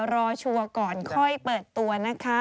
รอชั่วก่อนควายเปิดตัวนะคะ